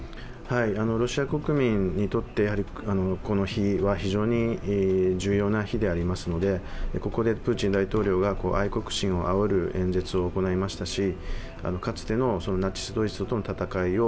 ロシア国民にとって、この日は非常に重要な日でありますので、ここでプーチン大統領が愛国心をあおる演説を行いましたし、かつてのナチス・ドイツとの戦いを